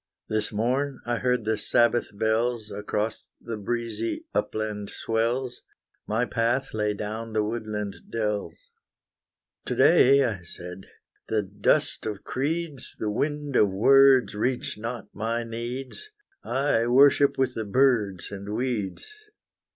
This morn I heard the Sabbath bells Across the breezy upland swells; My path lay down the woodland dells. To day, I said, the dust of creeds, The wind of words reach not my needs; I worship with the birds and weeds.